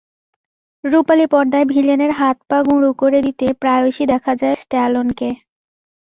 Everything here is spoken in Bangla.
রুপালি পর্দায় ভিলেনের হাত-পা গুঁড়ো করে দিতে প্রায়শই দেখা যায় স্ট্যালোনকে।